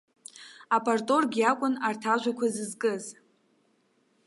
Апарторг иакәын арҭ ажәақәа зызкыз.